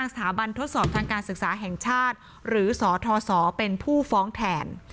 สถาบันทดสอบทางการศึกษาแห่งชาติหรือสทศเป็นผู้ฟ้องแทน